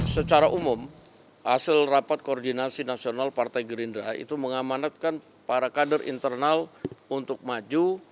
secara umum hasil rapat koordinasi nasional partai gerindra itu mengamanatkan para kader internal untuk maju